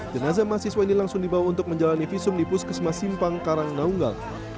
jenazah mahasiswa ini langsung dibawa untuk menjalani visum di puskesmas simpang karang naunggal